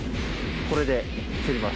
これで釣ります。